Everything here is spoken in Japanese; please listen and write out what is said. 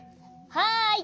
はい！